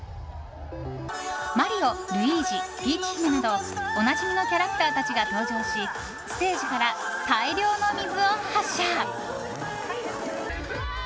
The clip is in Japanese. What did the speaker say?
マリオ、ルイージ、ピーチ姫などおなじみのキャラクターたちが登場しステージから大量の水を発射。